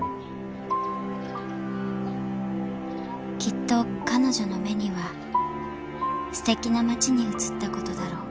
［きっと彼女の目にはすてきな街に映ったことだろう］